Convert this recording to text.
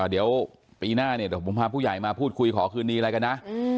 เดี๋ยวปีหน้าเนี่ยเดี๋ยวผมพาผู้ใหญ่มาพูดคุยขอคืนดีอะไรกันนะ